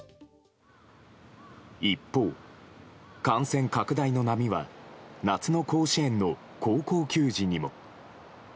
一方、感染拡大の波は夏の甲子園の高校球児にも。